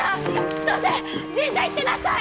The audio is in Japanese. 千歳神社行ってなさい！